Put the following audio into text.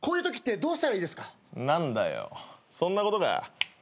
何だよそんなことか。